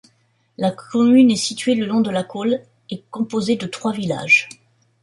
La commune est située le long de la Coole et composé de trois villages.